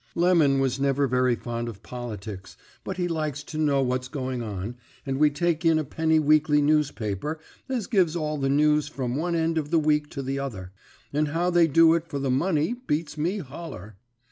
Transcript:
"Lemon was never very fond of politics, but he likes to know what's going on, and we take in a penny weekly newspaper as gives all the news from one end of the week to the other, and how they do it for the money beats me holler.